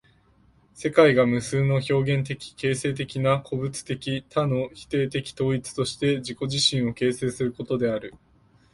世界が無数の表現的形成的な個物的多の否定的統一として自己自身を形成することである。